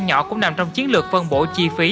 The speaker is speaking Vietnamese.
nhỏ cũng nằm trong chiến lược phân bổ chi phí